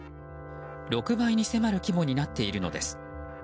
６倍に迫る規模になっているのです。